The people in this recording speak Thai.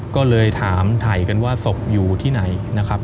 ก็เลยถามถ่ายกันว่าศพอยู่ที่ไหนนะครับ